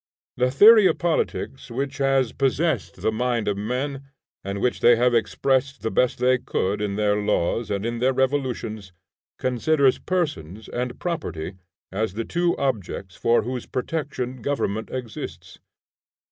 The theory of politics which has possessed the mind of men, and which they have expressed the best they could in their laws and in their revolutions, considers persons and property as the two objects for whose protection government exists.